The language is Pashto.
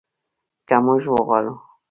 که موږ وغواړو.